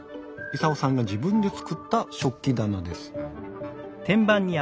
イサオさんが自分で作った食器棚です。